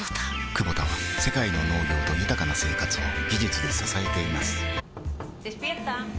クボタは世界の農業と豊かな生活を技術で支えています起きて。